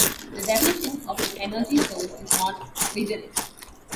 The definition of an energy source is not rigorous.